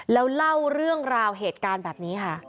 แล้วเล่าเรื่องราวเหตุการณ์แบบนี้ค่ะ